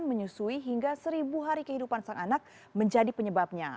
menyusui hingga seribu hari kehidupan sang anak menjadi penyebabnya